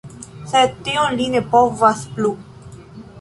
Sed tion li ne povas plu.